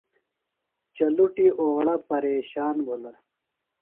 چلُٹیۡ اوڑہ پریشان بِھلہ۔